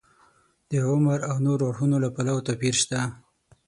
د عمر او نورو اړخونو له پلوه توپیر شته.